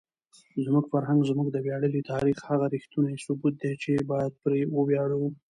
زموږ فرهنګ زموږ د ویاړلي تاریخ هغه ریښتونی ثبوت دی چې باید پرې وویاړو.